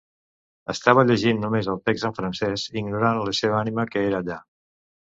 Estava llegint només el text en francès, ignorant la seva ànima que era allà.